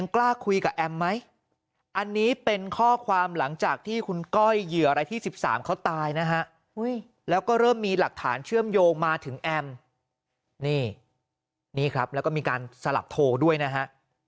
นี่เป็นข้อความหลังจากที่คุณก้อยเหยื่ออะไรที่๑๓เขาตายนะฮะแล้วก็เริ่มมีหลักฐานเชื่อมโยงมาถึงแอมนี่นี่ครับแล้วก็มีการสลับโทรด้วยนะฮะ